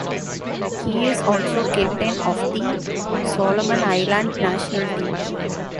He is also captain of the Solomon Island national team.